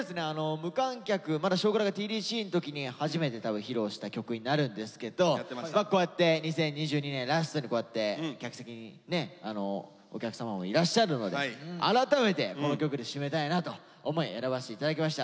無観客まだ「少クラ」がＴＤＣの時に初めて多分披露した曲になるんですけどこうやって２０２２年ラストにこうやって客席にねお客様もいらっしゃるので改めてこの曲で締めたいなと思い選ばせて頂きました。